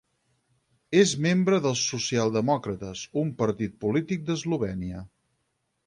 És membre dels Socialdemòcrates, un partit polític d'Eslovènia.